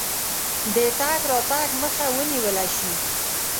د تګ راتګ مخه ونیوله شي.